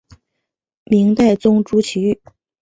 明代宗朱祁钰。